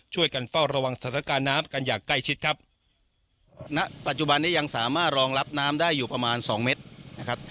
ช่วยกันเฝ้าระวังสถานการณ์น้ำกันอย่างใกล้ชิดครับณปัจจุบันนี้ยังสามารถรองรับน้ำได้อยู่ประมาณสองเมตรนะครับ